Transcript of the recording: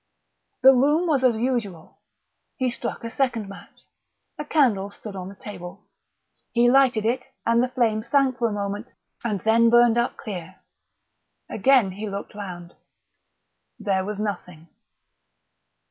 The room was as usual. He struck a second match. A candle stood on the table. He lighted it, and the flame sank for a moment and then burned up clear. Again he looked round. There was nothing.